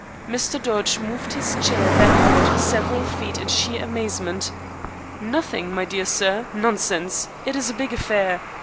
Mr. Dodge moved his chair backward several feet in sheer amazement. "Nothing, my dear sir! Nonsense! It is a big affair.